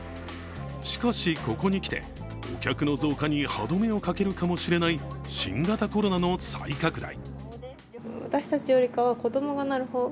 しかし、ここにきてお客の増加に歯止めをかけるかもしれない新型コロナの再拡大。